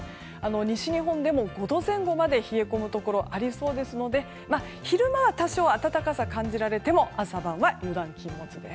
西日本でも５度前後まで冷え込むところありそうですので昼間は多少暖かさ感じられても朝晩は油断禁物です。